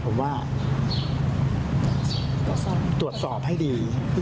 ผมว่าตรวจสอบให้ดี